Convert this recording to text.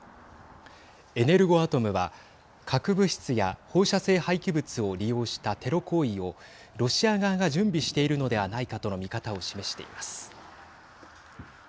エネルゴアトムは核物質や放射性廃棄物を利用したテロ行為をロシア側が準備しているのではないかとの見方を示しています。